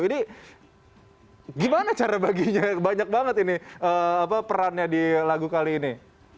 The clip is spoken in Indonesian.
ini gimana cara baginya banyak banget ini perannya di lagu kali ini